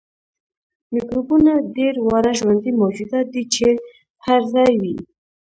میکروبونه ډیر واړه ژوندي موجودات دي چې هر ځای وي